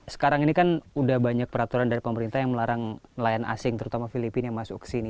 sekarang ini kan udah banyak peraturan dari pemerintah yang melarang nelayan asing terutama filipina masuk ke sini